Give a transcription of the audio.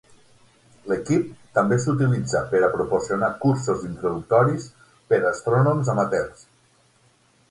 L'equip també s'utilitza per a proporcionar cursos introductoris per astrònoms amateurs.